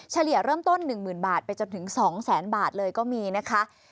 เฉลี่ยเริ่มต้น๑๐๐๐บาทไปจนถึง๒๐๐๐บาทเลยก็มีนะคะ